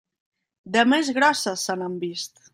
De més grosses se n'han vist.